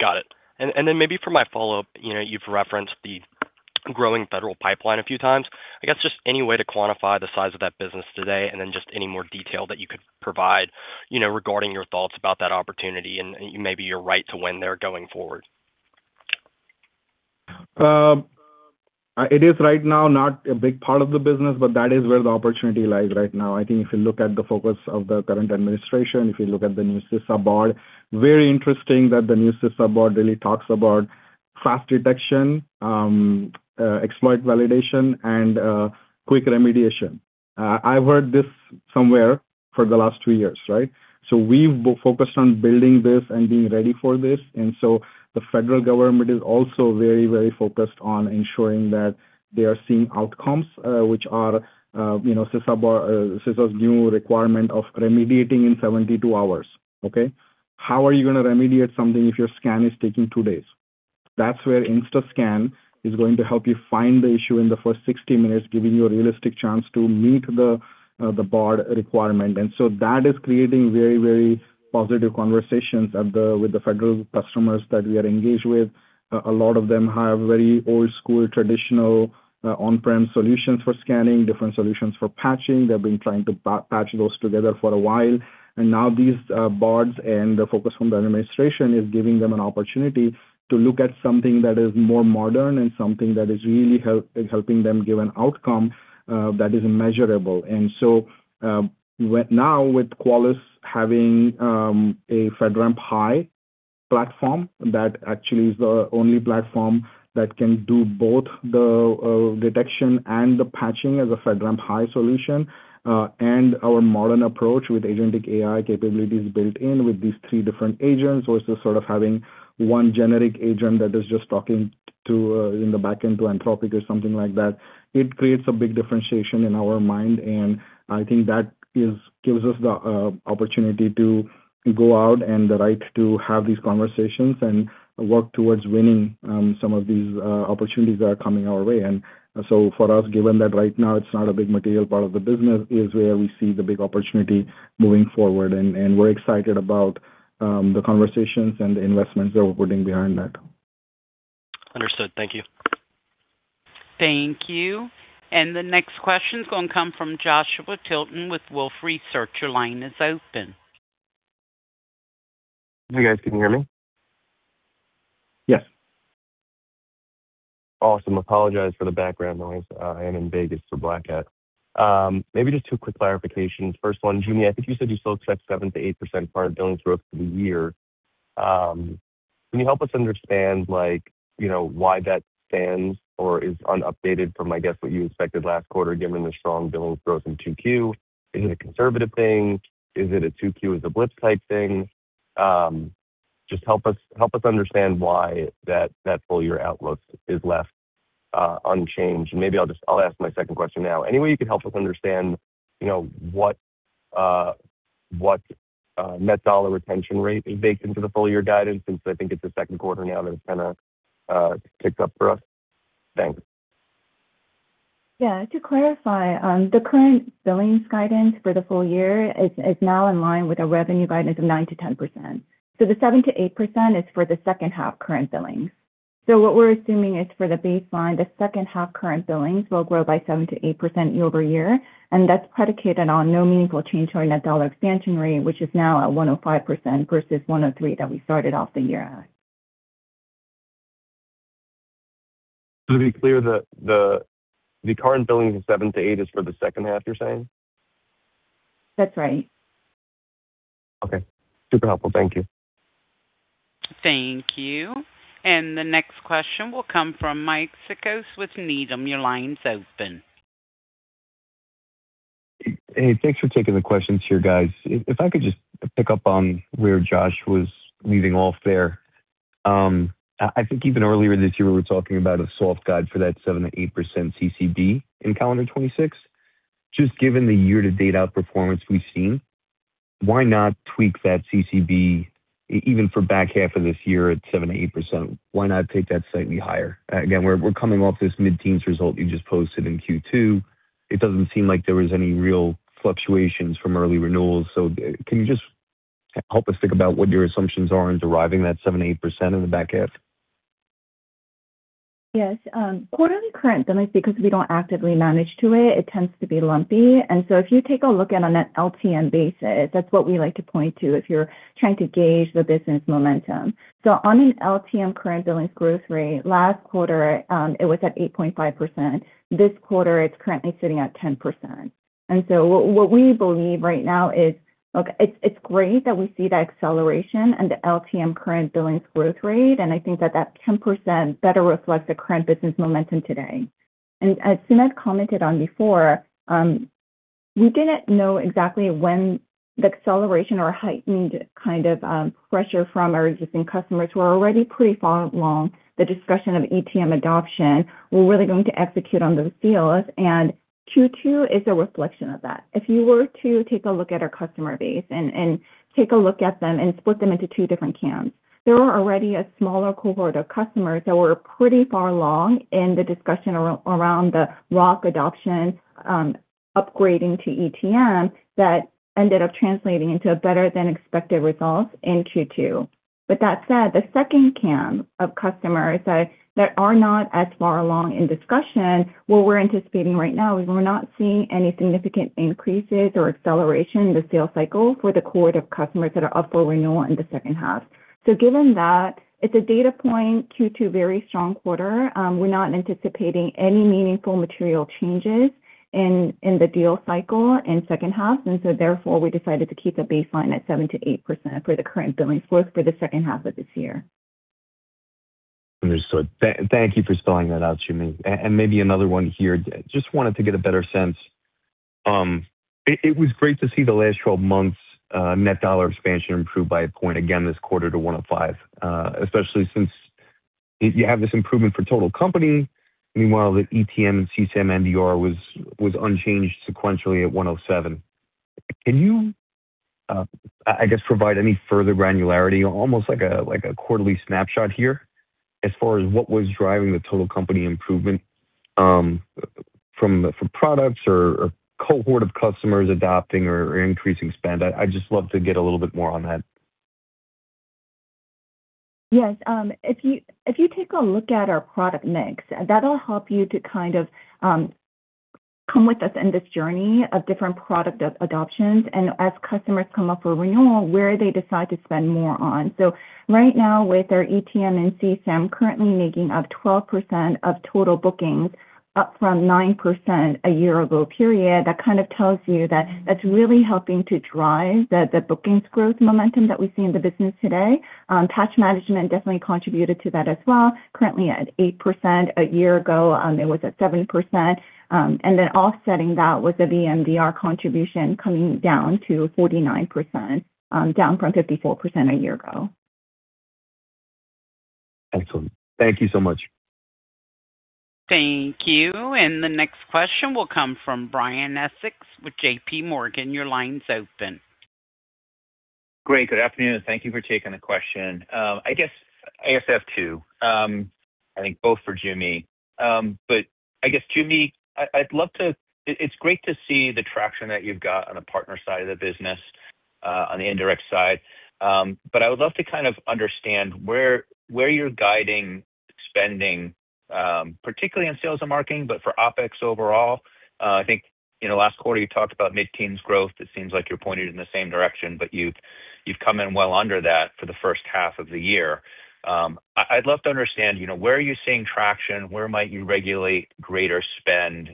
Got it. Maybe for my follow-up, you've referenced the growing federal pipeline a few times. I guess just any way to quantify the size of that business today, and then just any more detail that you could provide regarding your thoughts about that opportunity and maybe your right to win there going forward. It is right now not a big part of the business, that is where the opportunity lies right now. I think if you look at the focus of the current administration, if you look at the new CISA BOD, very interesting that the new CISA BOD really talks about fast detection, exploit validation, and quick remediation. I've heard this somewhere for the last two years, right? We've focused on building this and being ready for this. The federal government is also very focused on ensuring that they are seeing outcomes, which are CISA's new requirement of remediating in 72 hours. Okay? How are you going to remediate something if your scan is taking two days? That's where InstaScan is going to help you find the issue in the first 60 minutes, giving you a realistic chance to meet the BOD requirement. That is creating very positive conversations with the federal customers that we are engaged with. A lot of them have very old school, traditional, on-prem solutions for scanning, different solutions for patching. They've been trying to patch those together for a while. Now these BODs and the focus from the administration is giving them an opportunity to look at something that is more modern and something that is really helping them give an outcome that is measurable. Now with Qualys having a FedRAMP High platform, that actually is the only platform that can do both the detection and the patching as a FedRAMP High solution. Our modern approach with agentic AI capabilities built in with these three different agents versus sort of having one generic agent that is just talking in the back end to Anthropic or something like that. It creates a big differentiation in our mind, and I think that gives us the opportunity to go out and the right to have these conversations and work towards winning some of these opportunities that are coming our way. For us, given that right now it's not a big material part of the business, is where we see the big opportunity moving forward. We're excited about the conversations and the investments that we're putting behind that. Understood. Thank you. Thank you. The next question is going to come from Joshua Tilton with Wolfe Research. Your line is open. You guys can hear me? Yes. Awesome. Apologize for the background noise. I am in Vegas for Black Hat. Maybe just two quick clarifications. First one, Joo Mi, I think you said you still expect 7%-8% current billings growth for the year. Can you help us understand why that stands or is un-updated from, I guess, what you expected last quarter, given the strong billings growth in 2Q. Is it a conservative thing? Is it a 2Q is a blitz type thing? Just help us understand why that full year outlook is left unchanged. Maybe I'll ask my second question now. Any way you could help us understand what net dollar retention rate is baked into the full year guidance since I think it's the second quarter now that it's kind of kicked up for us. Thanks. To clarify, the current billings guidance for the full year is now in line with a revenue guidance of 9%-10%. The 7%-8% is for the second half current billings. What we're assuming is for the baseline, the second half current billings will grow by 7%-8% year-over-year. That's predicated on no meaningful change to our net dollar expansion rate, which is now at 105% versus 103% that we started off the year at. To be clear, the current billings of 7%-8% is for the second half, you're saying? That's right. Super helpful. Thank you. Thank you. The next question will come from Mike Cikos with Needham. Your line is open. Hey, thanks for taking the questions here, guys. If I could just pick up on where Josh was leaving off there. I think even earlier this year, we were talking about a soft guide for that 7%-8% CCB in calendar 2026. Just given the year-to-date outperformance we've seen, why not tweak that CCB even for back half of this year at 7%-8%? Why not take that slightly higher? Again, we're coming off this mid-teens result you just posted in Q2. It doesn't seem like there was any real fluctuations from early renewals. Can you just help us think about what your assumptions are in deriving that 7%-8% in the back half? Yes. Quarterly current billings, because we don't actively manage to it tends to be lumpy. If you take a look at on an LTM basis, that's what we like to point to if you're trying to gauge the business momentum. On an LTM current billings growth rate, last quarter, it was at 8.5%. This quarter, it's currently sitting at 10%. What we believe right now is, it's great that we see that acceleration and the LTM current billings growth rate, and I think that that 10% better reflects the current business momentum today. As Sumedh commented on before, we didn't know exactly when the acceleration or heightened kind of pressure from our existing customers who are already pretty far along the discussion of ETM adoption were really going to execute on those deals. Q2 is a reflection of that. If you were to take a look at our customer base and take a look at them and split them into two different camps. There were already a smaller cohort of customers that were pretty far along in the discussion around the ROC adoption Upgrading to ETM that ended up translating into a better than expected results in Q2. With that said, the second camp of customers that are not as far along in discussion, what we're anticipating right now is we're not seeing any significant increases or acceleration in the sales cycle for the cohort of customers that are up for renewal in the second half. Given that, it's a data point, Q2 very strong quarter. We're not anticipating any meaningful material changes in the deal cycle in second half. Therefore, we decided to keep the baseline at 7%-8% for the current bookings growth for the second half of this year. Understood. Thank you for spelling that out, Joo Mi. Maybe another one here. Just wanted to get a better sense. It was great to see the last 12 months Net Dollar Expansion improve by a point again this quarter to 105%, especially since you have this improvement for total company. Meanwhile, the ETM and CSAM NDR was unchanged sequentially at 107%. Can you, I guess, provide any further granularity, almost like a quarterly snapshot here, as far as what was driving the total company improvement from products or cohort of customers adopting or increasing spend? I'd just love to get a little bit more on that. Yes. If you take a look at our product mix, that'll help you to come with us in this journey of different product adoptions and as customers come up for renewal, where they decide to spend more on. Right now with our ETM and CSAM currently making up 12% of total bookings, up from 9% a year ago period, that tells you that that's really helping to drive the bookings growth momentum that we see in the business today. Patch Management definitely contributed to that as well, currently at 8%. A year ago, it was at 7%. Offsetting that was the VMDR contribution coming down to 49%, down from 54% a year ago. Excellent. Thank you so much. Thank you. The next question will come from Brian Essex with JPMorgan. Your line's open. Great. Good afternoon. Thank you for taking the question. I guess ASF too. I think both for Jimmy. I guess Jimmy, it's great to see the traction that you've got on the partner side of the business, on the indirect side. I would love to understand where you're guiding spending, particularly on sales and marketing, but for OpEx overall. I think in the last quarter you talked about mid-teens growth. It seems like you're pointed in the same direction, but you've come in well under that for the first half of the year. I'd love to understand where are you seeing traction? Where might you regulate greater spend?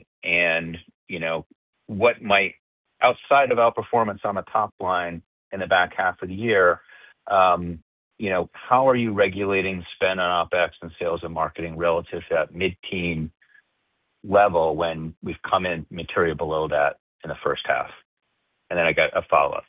What might outside of outperformance on the top line in the back half of the year, how are you regulating spend on OpEx and sales and marketing relative to that mid-teen level when we've come in material below that in the first half? I got a follow-up.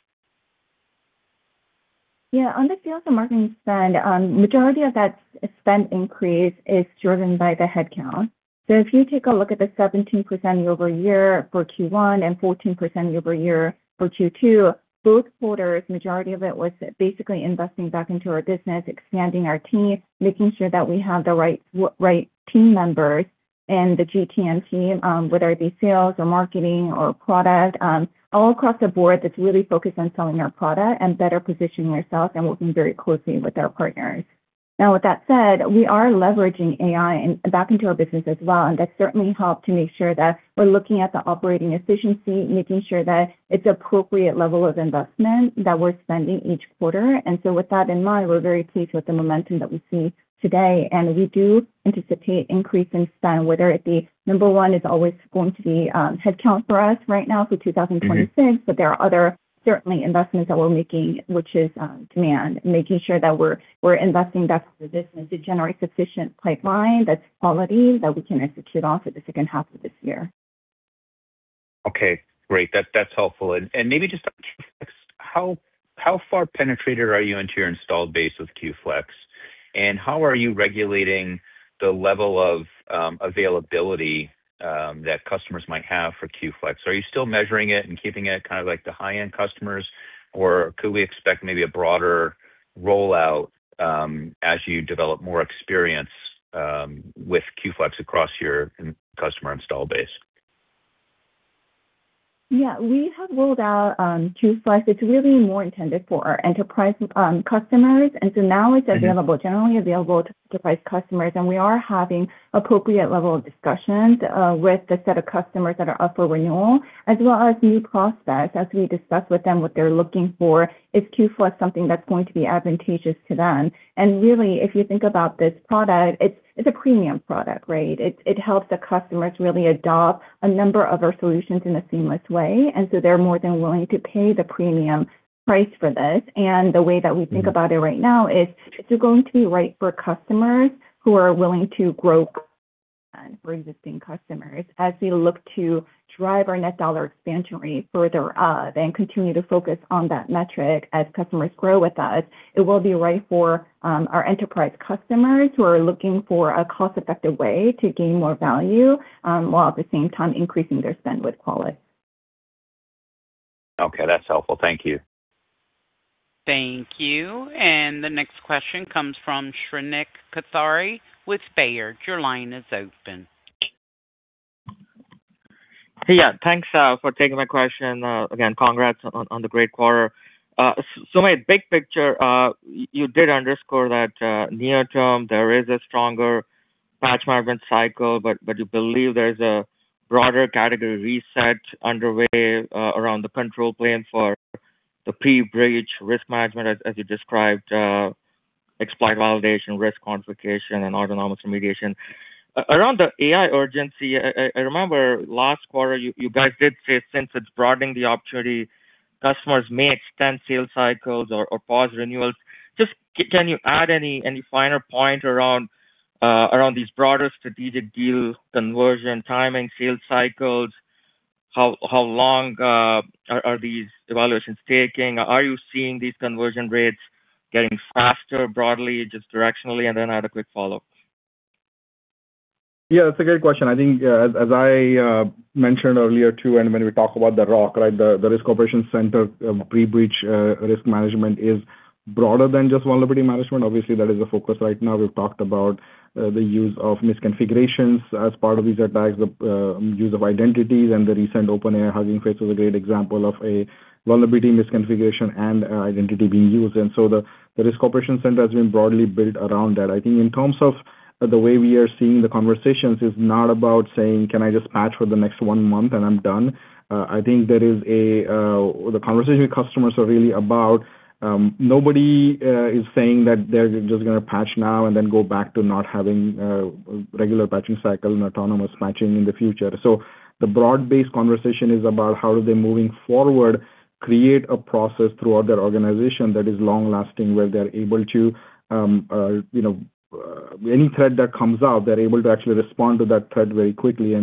Yeah. On the sales and marketing spend, majority of that spend increase is driven by the headcount. If you take a look at the 17% year-over-year for Q1 and 14% year-over-year for Q2, both quarters, majority of it was basically investing back into our business, expanding our team, making sure that we have the right team members in the GTM team, whether it be sales or marketing or product. All across the board that's really focused on selling our product and better positioning ourselves and working very closely with our partners. Now with that said, we are leveraging AI back into our business as well, and that certainly helped to make sure that we're looking at the operating efficiency, making sure that it's appropriate level of investment that we're spending each quarter. With that in mind, we're very pleased with the momentum that we see today, and we do anticipate increase in spend, whether it be number 1 is always going to be headcount for us right now for 2026. There are other certainly investments that we're making, which is demand, making sure that we're investing back into the business to generate sufficient pipeline that's quality that we can execute on for the second half of this year. Okay, great. That's helpful. Maybe just on QFlex, how far penetrated are you into your installed base with QFlex? How are you regulating the level of availability that customers might have for QFlex? Are you still measuring it and keeping it like the high-end customers, or could we expect maybe a broader rollout as you develop more experience with QFlex across your customer install base? Yeah. We have rolled out QFlex. It's really more intended for our enterprise customers. generally available to enterprise customers. We are having appropriate level of discussions with the set of customers that are up for renewal as well as new prospects as we discuss with them what they're looking for, is QFlex something that's going to be advantageous to them. Really, if you think about this product, it's a premium product, right? It helps the customers really adopt a number of our solutions in a seamless way. They're more than willing to pay the premium price for this. The way that we think- about it right now is it's going to be right for customers who are willing to grow Excellent. Okay, that's helpful. Thank you. Thank you. The next question comes from Shrenik Kothari with Baird. Your line is open. Yeah. Thanks for taking my question. Again, congrats on the great quarter. You did underscore that near-term, there is a stronger patch management cycle, but you believe there's a broader category reset underway around the control plane for the pre-breach risk management, as you described, exploit validation, risk quantification, and autonomous remediation. Around the AI urgency, I remember last quarter, you guys did say since it's broadening the opportunity, customers may extend sales cycles or pause renewals. Just can you add any finer point around these broader strategic deals, conversion timing, sales cycles? How long are these evaluations taking? Are you seeing these conversion rates getting faster, broadly, just directionally? Then I had a quick follow-up. Yeah, that's a great question. I think as I mentioned earlier, too, when we talk about the ROC, right? The Risk Operations Center pre-breach risk management is broader than just vulnerability management. Obviously, that is the focus right now. We've talked about the use of misconfigurations as part of these attacks, the use of identities and the recent OpenAI hacking case was a great example of a vulnerability misconfiguration and identity being used. The Risk Operations Center has been broadly built around that. I think in terms of the way we are seeing the conversations is not about saying, "Can I just patch for the next one month and I'm done?" I think the conversation with customers are really about, nobody is saying that they're just going to patch now and then go back to not having a regular patching cycle and autonomous patching in the future. The broad-based conversation is about how they moving forward, create a process throughout their organization that is long-lasting, where they're able to any threat that comes out, they're able to actually respond to that threat very quickly.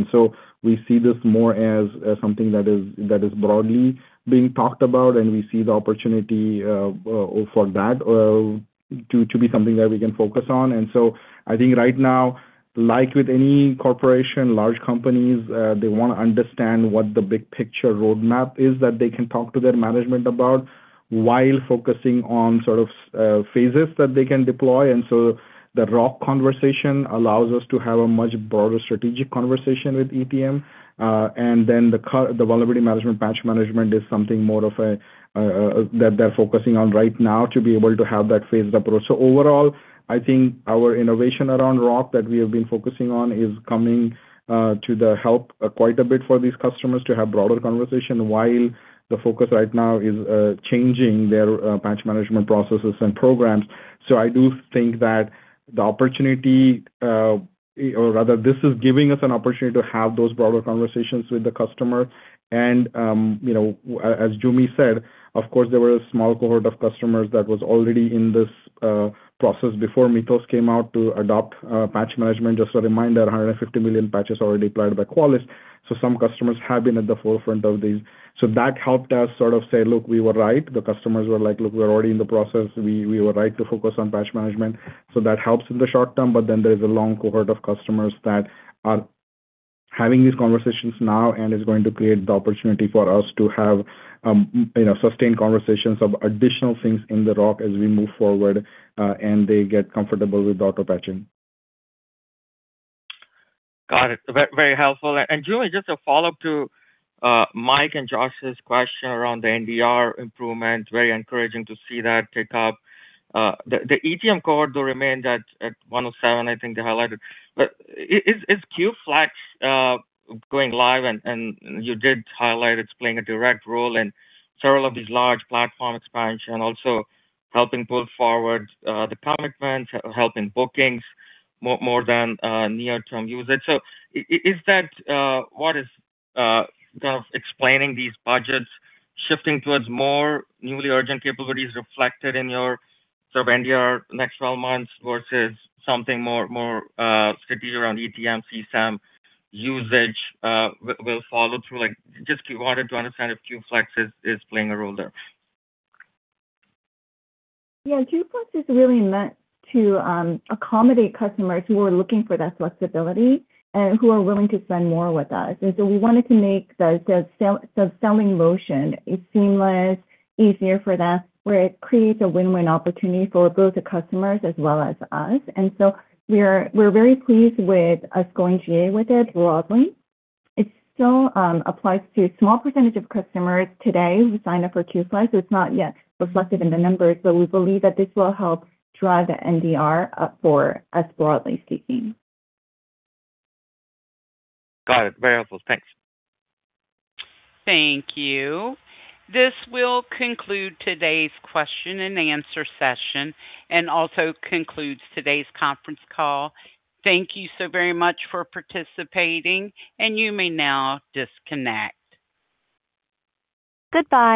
We see this more as something that is broadly being talked about, and we see the opportunity for that to be something that we can focus on. I think right now, like with any corporation, large companies, they want to understand what the big picture roadmap is that they can talk to their management about while focusing on phases that they can deploy. The ROC conversation allows us to have a much broader strategic conversation with ETM. The vulnerability management, patch management is something more of a, that they're focusing on right now to be able to have that phased approach. Overall, I think our innovation around ROC that we have been focusing on is coming to the help quite a bit for these customers to have broader conversation while the focus right now is changing their patch management processes and programs. I do think that the opportunity, or rather this is giving us an opportunity to have those broader conversations with the customer. As Jumi said, of course, there were a small cohort of customers that was already in this process before Mythos came out to adopt patch management. Just a reminder, 150 million patches already applied by Qualys. Some customers have been at the forefront of these. That helped us say, look, we were right. The customers were like, "Look, we're already in the process. We were right to focus on patch management." That helps in the short term. There is a long cohort of customers that are having these conversations now and is going to create the opportunity for us to have sustained conversations of additional things in the ROC as we move forward, and they get comfortable with auto-patching. Got it. Very helpful. Joo Mi, just a follow-up to Mike and Josh's question around the NDR improvement. Very encouraging to see that tick up. The ETM cohort though remained at 107, I think you highlighted. Is QFlex going live? You did highlight it's playing a direct role in several of these large platform expansion and also helping pull forward the commitment, helping bookings more than near-term usage. Is that what is explaining these budgets shifting towards more newly urgent capabilities reflected in your NDR next 12 months versus something more strategic around ETM, CSAM usage will follow through? Just wanted to understand if QFlex is playing a role there. Yeah. QFlex is really meant to accommodate customers who are looking for that flexibility and who are willing to spend more with us. We wanted to make the selling motion seamless, easier for them, where it creates a win-win opportunity for both the customers as well as us. We're very pleased with us going GA with it broadly. It still applies to a small percentage of customers today who sign up for QFlex, so it's not yet reflected in the numbers. We believe that this will help drive the NDR up for us, broadly speaking. Got it. Very helpful. Thanks. Thank you. This will conclude today's question and answer session. Also concludes today's conference call. Thank you so very much for participating. You may now disconnect. Goodbye